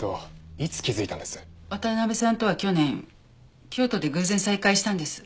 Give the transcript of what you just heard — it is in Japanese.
渡辺さんとは去年京都で偶然再会したんです。